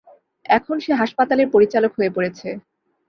এখন সে হাসপাতালের পরিচালক হয়ে পড়েছে!